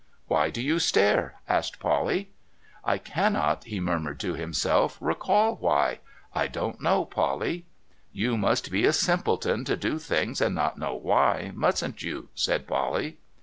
'Why do you stare?' asked Polly. ' I cannot,' he murmured to himself, ' recall why. — I don't know, Polly.' ' You must be a simpleton to do things and not know why, mustn't you ?' said Polly.